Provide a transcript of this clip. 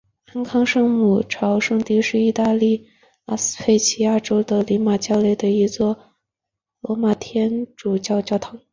安康圣母朝圣地是意大利拉斯佩齐亚省里奥马焦雷的一座罗马天主教教堂。